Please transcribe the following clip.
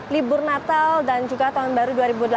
libur natal dan juga tahun baru